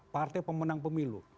partai pemenang pemilu